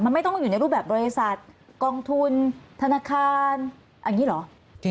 มันไม่ต้องอยู่ในรูปแบบบริษัทกองทุนธนาคารอย่างนี้เหรอ